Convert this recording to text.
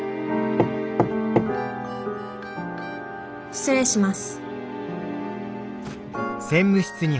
失礼します。